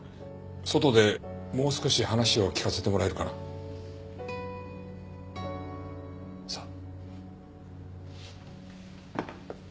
外でもう少し話を聞かせてもらえるかな？さあ。